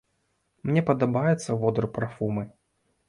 Мне падабаецца водар парфумы.